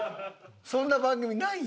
そんな番組ないんよ。